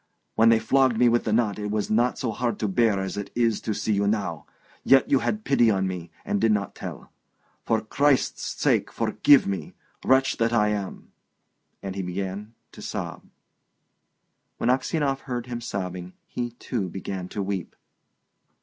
"When they flogged me with the knot it was not so hard to bear as it is to see you now ... yet you had pity on me, and did not tell. For Christ's sake forgive me, wretch that I am!" And he began to sob. When Aksionov heard him sobbing he, too, began to weep.